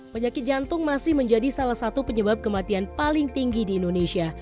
penyakit jantung masih menjadi salah satu penyebab kematian paling tinggi di indonesia